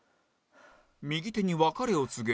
右手に別れを告げ